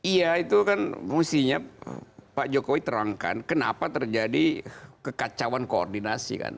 iya itu kan musinya pak jokowi terangkan kenapa terjadi kekacauan koordinatnya